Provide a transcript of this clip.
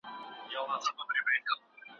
چې هر څه به سم شي.